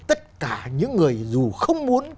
tất cả những người dù không muốn